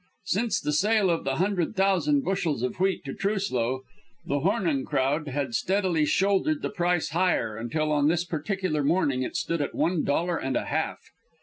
Since the sale of the hundred thousand bushels of wheat to Truslow the "Hornung crowd" had steadily shouldered the price higher until on this particular morning it stood at one dollar and a half.